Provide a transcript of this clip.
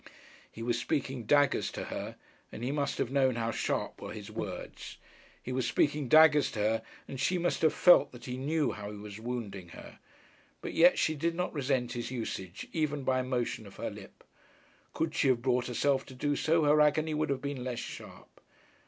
He was speaking daggers to her, and he must have known how sharp were his words. He was speaking daggers to her, and she must have felt that he knew how he was wounding her. But yet she did not resent his usage, even by a motion of her lip. Could she have brought herself to do so, her agony would have been less sharp.